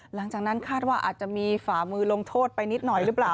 หลังจากนั้นคาดว่าอาจจะมีฝ่ามือลงโทษไปนิดหน่อยหรือเปล่า